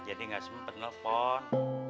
jadi gak sempet nelfon